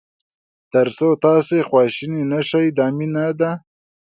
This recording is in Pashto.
تر څو تاسو خواشینی نه شئ دا مینه ده.